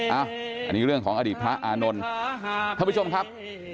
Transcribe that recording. อันนี้เรื่องของอดีตพระอานนท์ท่านผู้ชมครับ